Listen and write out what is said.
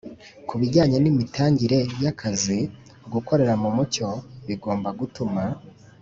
Ku bijyanye n imitangire y akazi gukorera mu mucyo bigomba gutuma